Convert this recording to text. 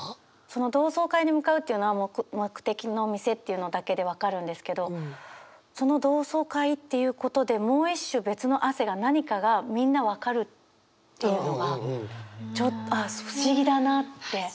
その同窓会に向かうっていうのは「目的の店」っていうのだけで分かるんですけどその同窓会っていうことで「もう一種べつの汗」が何かがみんな分かるっていうのが不思議だなって。